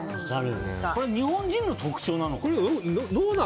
日本人の特徴なのかな。